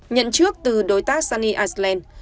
nhận trước từ đối tác sunny island